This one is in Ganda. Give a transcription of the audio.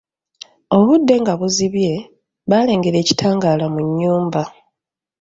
Obudde nga buzibye, baalengera ekitangaala mu nnyumba.